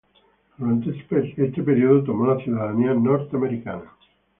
Durante este período tomó la ciudadanía norteamericana.